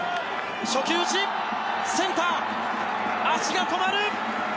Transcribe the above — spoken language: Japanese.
初球打ちセンター、足が止まる。